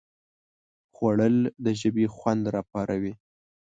خوړل د ژبې خوند راپاروي